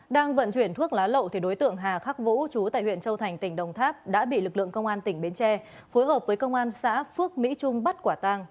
đang vận chuyển thuốc lá lậu thì đối tượng hà khắc vũ chú tại huyện châu thành tỉnh đồng tháp đã bị lực lượng công an tỉnh bến tre phối hợp với công an xã phước mỹ trung bắt quả tang